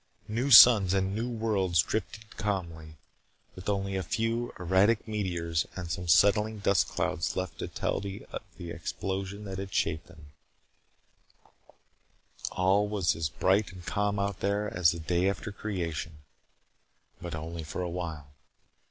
New suns and new worlds drifted calmly, with only a few erratic meteors and some settling dust clouds left to tell of the explosion that had shaped them. All was as bright and calm out there as the day after creation. But only for a while.